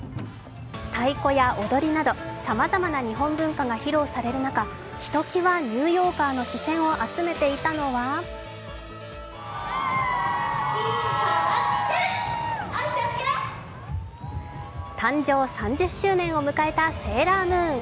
太鼓や踊りなどさまざまな日本文化が披露される中、ひときわニューヨーカーの視線を集めていたのは誕生３０周年を迎えた「セーラームーン」。